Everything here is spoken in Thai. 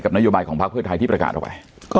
นโยบายของพักเพื่อไทยที่ประกาศออกไป